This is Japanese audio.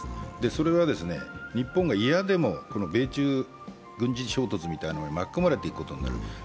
それは日本が嫌でも米中軍事衝突みたいなものに巻き込まれていくことになるんです。